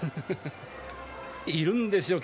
いるんですよ